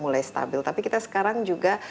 mulai stabil tapi kita sekarang juga